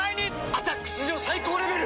「アタック」史上最高レベル！